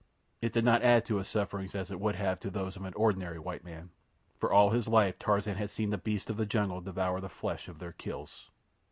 It did not add to his sufferings as it would have to those of an ordinary white man, for all his life Tarzan had seen the beasts of the jungle devour the flesh of their kills.